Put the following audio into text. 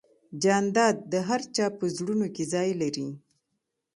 جانداد د هر چا په زړونو کې ځای لري.